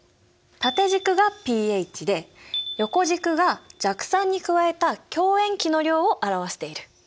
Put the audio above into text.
縦軸がｐＨで横軸が弱酸に加えた強塩基の量を表している。